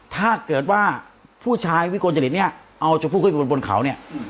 ถ้าเกิดว่าผู้ชายวิกลจริตเนี่ยเอาชมพู่ขึ้นไปบนบนเขาเนี่ย